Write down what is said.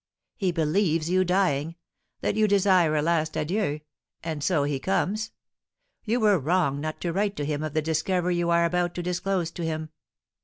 "He believes you dying, that you desire a last adieu, and so he comes. You were wrong not to write to him of the discovery you are about to disclose to him."